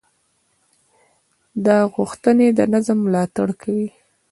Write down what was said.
دا غوښتنې د نظم ملاتړ کوي.